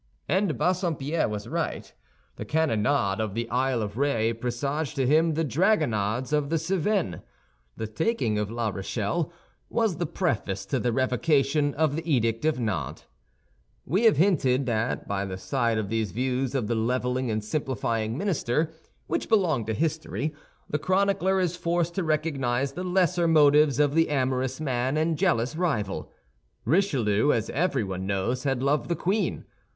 And Bassompierre was right. The cannonade of the Isle of Ré presaged to him the dragonnades of the Cévennes; the taking of La Rochelle was the preface to the revocation of the Edict of Nantes. We have hinted that by the side of these views of the leveling and simplifying minister, which belong to history, the chronicler is forced to recognize the lesser motives of the amorous man and jealous rival. Richelieu, as everyone knows, had loved the queen.